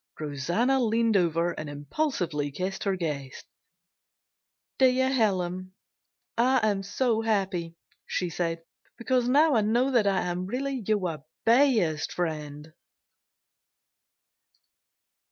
Rosanna leaned over and impulsively kissed her guest. "Dear Helen, I am so happy," she said, "because now I know that I am really your best friend."